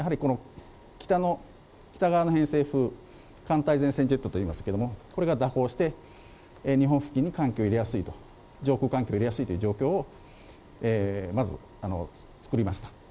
やはりこの北側の偏西風、寒帯前線ジェットといいますけれども、これが蛇行して、日本付近に寒気を入れやすいと、上空付近に寒気を入れやすいという状況をまず作りました。